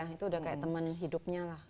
jadi udah kayak temen hidupnya lah